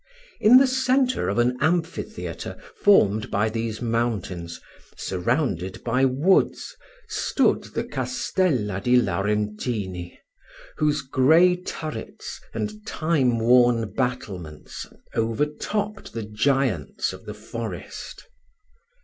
In the centre of an amphitheatre, formed by these mountains, surrounded by wood, stood the Castella di Laurentini, whose grey turrets, and time worn battlements, overtopped the giants of the forest.